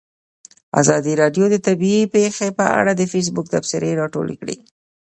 ازادي راډیو د طبیعي پېښې په اړه د فیسبوک تبصرې راټولې کړي.